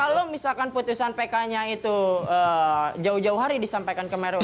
kalau misalkan putusan pk nya itu jauh jauh hari disampaikan ke maruf